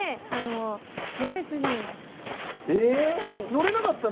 乗れなかったの？